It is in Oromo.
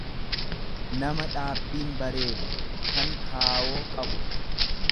nama dhaabbiin bareedu, kan kaawoo qabu.